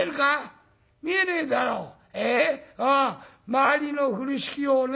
周りの風呂敷をね